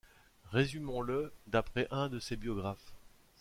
Résumons-le d'après un de ses biographes.